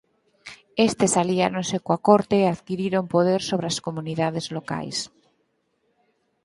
Estes aliáronse coa corte e adquiriron poder sobre as comunidades locais.